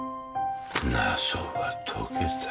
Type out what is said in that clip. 謎は解けた